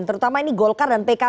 terutama ini golkar dan pkb